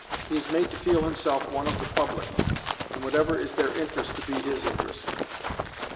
He is made to feel himself one of the public, and whatever is their interest to be his interest.